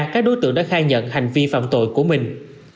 các đối tượng đã khai nhận hành vi phạm tội của mình